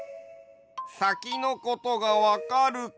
さきのことがわかるか。